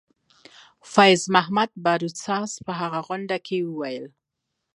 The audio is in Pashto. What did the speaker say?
فیض محمدباروت ساز په هغه غونډه کې وویل.